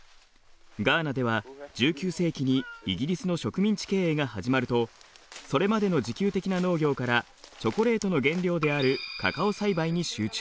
ガーナでは１９世紀にイギリスの植民地経営が始まるとそれまでの自給的な農業からチョコレートの原料であるカカオ栽培に集中。